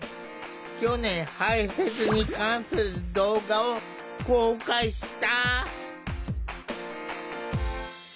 去年排せつに関する動画を公開した。